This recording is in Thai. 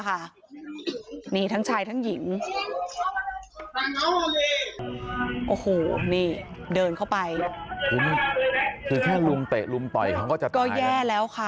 ค่ะนี่ทั้งชายทั้งหญิงโอ้โหนี่เดินเข้าไปก็แย่แล้วค่ะ